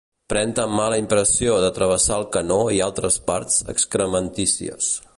Pren tan mala impressió de travessar el canó i altres parts excrementícies.